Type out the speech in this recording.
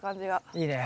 いいね。